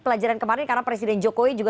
pelajaran kemarin karena presiden jokowi juga